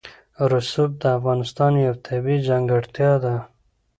رسوب د افغانستان یوه طبیعي ځانګړتیا ده.